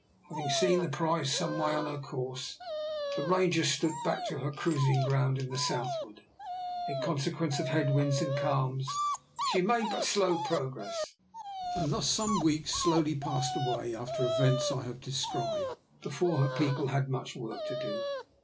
Having seen the prize some way on her course, the Ranger stood back to her cruising ground to the southward. In consequence of head winds and calms she made but slow progress, and thus some weeks slowly passed away after the events I have described, before her people had much work to do.